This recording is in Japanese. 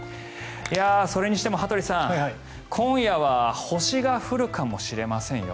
それにしても羽鳥さん、今夜は星が降るかもしれませんよ。